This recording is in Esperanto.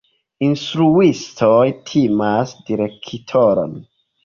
Instruistoj timas direktoron.